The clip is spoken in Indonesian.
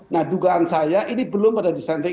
nah dugaan saya ini belum ada dissenting